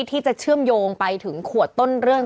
ที่จะเชื่อมโยงไปถึงขวดต้นเรื่อง